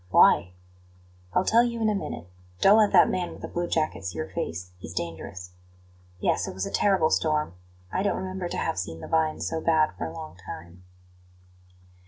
"Why?" "I'll tell you in a minute. Don't let that man with the blue jacket see your face; he's dangerous. Yes; it was a terrible storm; I don't remember to have seen the vines so bad for a long time."